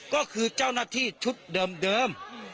ก็คือเจ้าหน้าที่ชุดเดิม